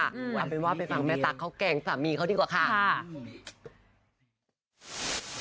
เนี่ยใส่บวกแบบแต่งตรงแบบมีรอยสักแบบ